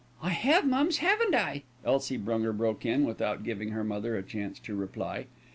"I have, mums, haven't I?" Elsie Brunger broke in, without giving her mother a chance to reply.